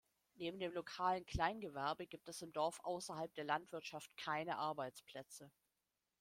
Neben dem lokalen Kleingewerbe gibt es im Dorf ausserhalb der Landwirtschaft keine Arbeitsplätze.